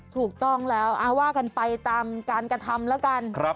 ถูกต้องแล้วว่ากันไปตามการกระทำแล้วกัน